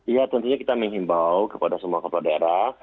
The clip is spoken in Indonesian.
ya tentunya kita menghimbau kepada semua kepala daerah